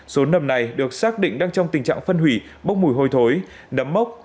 số nầm này được xác định đang trong tình trạng phân hủy bốc mùi hồi thối đấm mốc